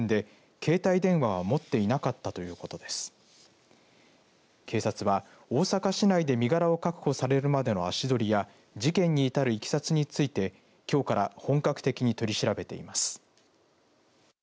警察は、大阪市内で身柄を確保されるまでの足取りや事件に至るいきさつについてきょうから本格的に取り調べています。